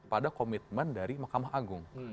pada komitmen dari mahkamah agung